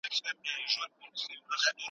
کله به حکومت بازار په رسمي ډول وڅیړي؟